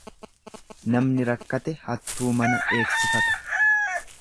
Namni rakkate hattuu mana eegsifata.